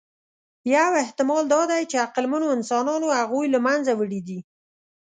یو احتمال دا دی، چې عقلمنو انسانانو هغوی له منځه وړي دي.